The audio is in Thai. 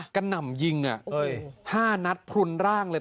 หน่ำยิง๕นัดพลุนร่างเลย